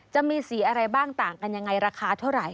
จะมีสีอะไรบ้างต่างกันยังไงราคาเท่าไหร่